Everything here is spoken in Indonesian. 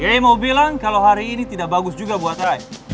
ye mau bilang kalau hari ini tidak bagus juga buat rai